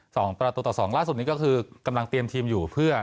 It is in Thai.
สองประตูต่อสองล่าสุดนี้ก็คือกำลังเตรียมทีมอยู่เพื่อ